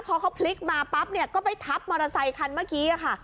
พอเขาพลิกมาปั๊บเนี่ยก็ไปทับมอเตอร์ไซคันเมื่อกี้ค่ะ